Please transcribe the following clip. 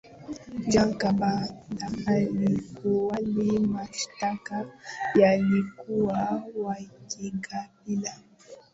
jean kambanda alikubali mashtaka yalikuwa yakimkabili